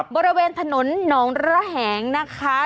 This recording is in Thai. บริเวณถนนหนองระแหงนะคะ